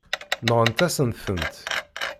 Nɣant-asen-tent.